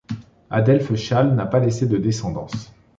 Adelphe Chasles n'a pas laissé de descendance.